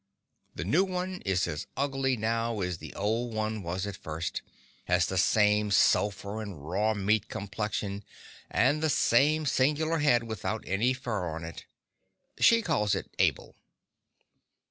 The new one is as ugly now as the old one was at first; has the same sulphur and raw meat complexion and the same singular head without any fur on it. She calls it Abel.